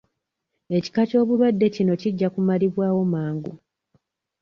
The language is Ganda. Ekika ky'obulwadde kino kijja kumalibwawo mangu.